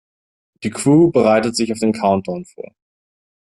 Die Crew bereitet sich auf den Countdown vor.